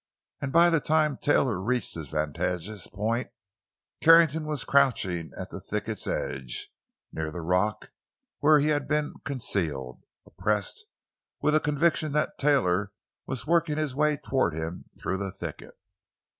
And by the time Taylor reached his vantagepoint, Carrington was crouching at the thicket's edge, near the rock where he had been concealed, oppressed with a conviction that Taylor was working his way toward him through the thicket.